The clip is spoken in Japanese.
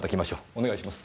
お願いします。